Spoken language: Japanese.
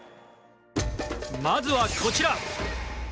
まずはこちら。